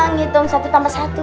ngitung satu tambah satu